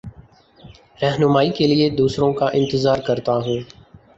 رہنمائ کے لیے دوسروں کا انتظار کرتا ہوں